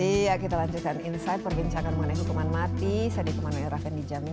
iya kita lanjutkan insight perbincangkan mengenai hukuman mati saya dikembangkan di jamin